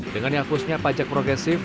dengan dihapusnya pajak progresif